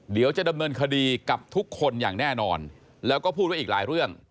เดี๋ยวจะดำเนินคดีกับทุกคนอย่างแน่นอนแล้วก็พูดไว้อีกหลายเรื่อง